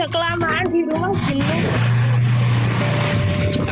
kelamaan di rumah cilong